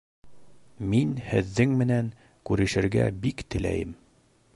Мин һеҙҙең менән күрешергә бик теләйем